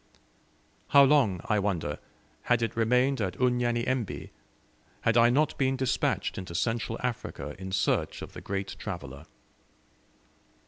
How long, I wonder, had it remained at Unyanyembe had I not been despatched into Central Africa in search of the great traveller?